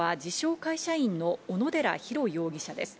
会社員の小野寺大容疑者です。